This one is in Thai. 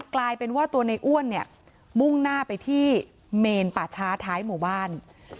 กลายเป็นว่าตัวในอ้วนเนี่ยมุ่งหน้าไปที่เมนป่าช้าท้ายหมู่บ้าน